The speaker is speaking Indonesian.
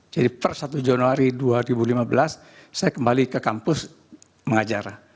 jadi per satu januari dua ribu lima belas saya kembali ke kampus mengajar